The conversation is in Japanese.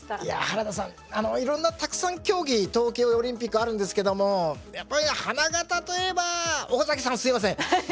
いや原田さんあのいろんなたくさん競技冬季オリンピックあるんですけどもやっぱり花形といえば岡崎さんすいません。